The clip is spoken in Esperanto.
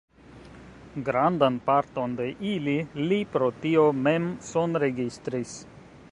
Grandan parton de ili li pro tio mem sonregistris.